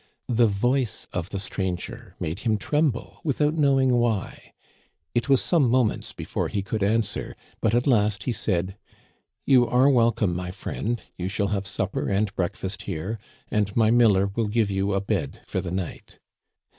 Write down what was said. The voice of the stranger made him tremble without knowing why. It was some moments before he could answer, but at last he said :" You are welcome, my friend ; you shall have supper and breakfast here, and my miller will give you a bed for the night."